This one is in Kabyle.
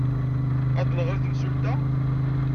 Ad d-nɣer i temsulta?